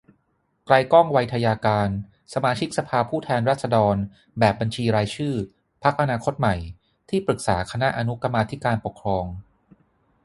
ไกลก้อง ไวทยการ สมาชิกสภาผู้แทนราษฎร แบบบัญชีรายชื่อ พรรคอนาคตใหม่ ที่ปรึกษาคณะอนุกรรมาธิการปกครอง